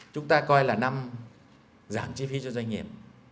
hai nghìn một mươi bảy chúng ta coi là năm giảm chi phí cho doanh nghiệp